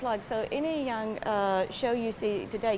jadi ini yang menunjukkan hari ini